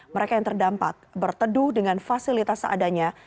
mereka yang terdampak berteduh dengan fasilitas seadanya